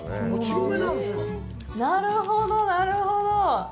なるほど、なるほど。